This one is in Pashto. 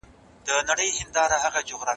د ستوني خشونت ته پام وکړئ.